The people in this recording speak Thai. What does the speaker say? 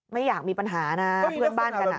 ไม่อยากมีปัญหานะเพื่อนบ้านกันอ่ะ